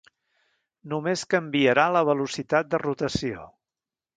Només canviarà la velocitat de rotació.